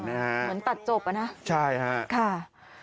เหมือนตัดจบนะ